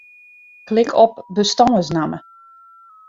Klik op bestânsnamme.